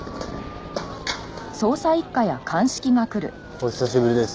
お久しぶりです